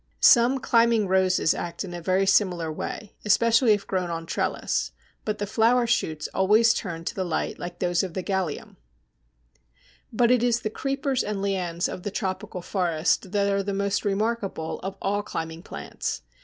Some Climbing Roses act in a very similar way, especially if grown on trellis, but the flower shoots always turn to the light like those of the Galium. But it is the creepers and lianes of the tropical forests that are the most remarkable of all climbing plants.